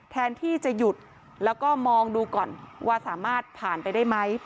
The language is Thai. แทนที่จะหยุดแล้วก็มองดูก่อนว่าสามารถผ่านไปได้ไหม